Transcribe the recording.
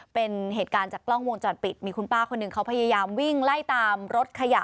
เป็นเหตุการณ์จากกล้องวงจรปิดมีคุณป้าคนหนึ่งเขาพยายามวิ่งไล่ตามรถขยะ